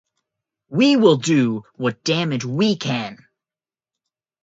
We will do what damage we can.